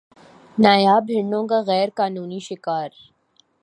نایاب ہرنوں کا غیر قانونی شکار